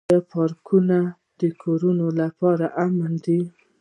آیا پارکونه د کورنیو لپاره امن دي؟